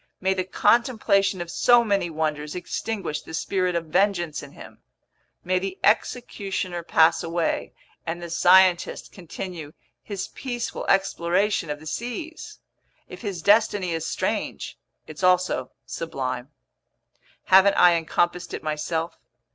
May the contemplation of so many wonders extinguish the spirit of vengeance in him! May the executioner pass away, and the scientist continue his peaceful exploration of the seas! If his destiny is strange, it's also sublime. Haven't I encompassed it myself?